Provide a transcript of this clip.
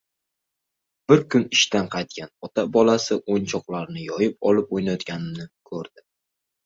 Bir kuni ishdan qaytgan ota bolasi oʻyinchoqlarini yoyib olib oʻynayotganini koʻrdi.